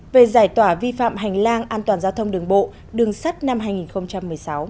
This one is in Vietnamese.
về giải tỏa vi phạm hành lang an toàn giao thông đường bộ đường sắt năm hai nghìn một mươi sáu